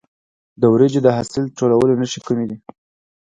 د وریجو د حاصل ټولولو نښې کومې دي؟